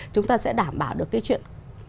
chúng ta sẽ đảm bảo được cái chuyện